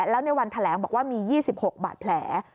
แล้วในวันแถลงบอกว่ามี๒๖บาดแผล